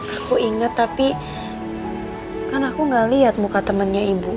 aku inget tapi kan aku gak lihat muka temannya ibu